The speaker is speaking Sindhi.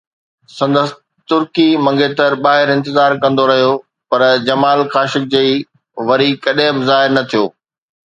سندس ترڪي منگيتر ٻاهر انتظار ڪندو رهيو، پر جمال خاشقجي وري ڪڏهن به ظاهر نه ٿيو.